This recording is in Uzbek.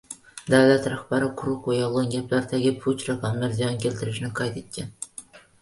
Davlat rahbari quruq va yolg‘on gaplar, tagi puch raqamlar ziyon keltirishini qayd etgan